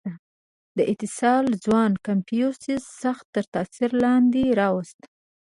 • دې اتصال ځوان کنفوسیوس سخت تر تأثیر لاندې راوست.